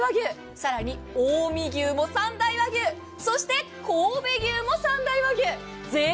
さらに近江牛も三大和牛そして神戸牛も三大和牛。